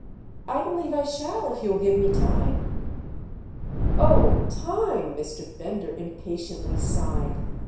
"I believe I shall if you'll give me time." "Oh, time!" Mr. Bender impatiently sighed.